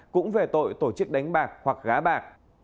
cũng về tội tổ chức đánh bạc hoặc gá bạc